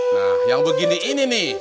nah yang begini ini nih